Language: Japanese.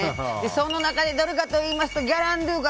その中で、どれかといいますと「ギャランドゥ」か